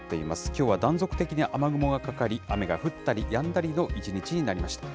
きょうは断続的に雨雲がかかり、雨が降ったりやんだりの一日になりました。